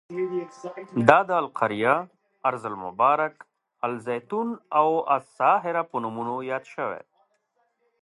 دا د القریه، ارض المبارک، الزیتون او الساهره په نومونو یاد شوی.